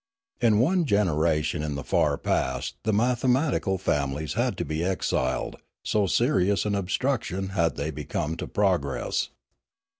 In one generation in the far past the mathematical families had to be exiled, so serious an obstruction had they become to progress.